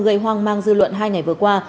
gây hoang mang dư luận hai ngày vừa qua